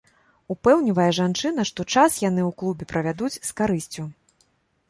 Упэўнівае жанчына, што час яны ў клубе правядуць з карысцю.